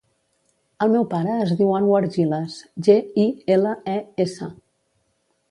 El meu pare es diu Anwar Giles: ge, i, ela, e, essa.